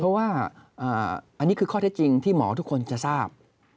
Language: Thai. เพราะว่าอันนี้คือข้อเท็จจริงที่หมอทุกคนจะทราบ